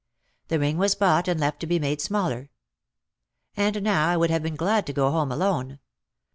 The ring was bought and left to be made smaller. And now I would have been glad to go home alone.